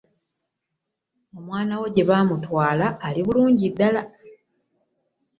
Omwana wo gye baamutwala ali bulungi ddala.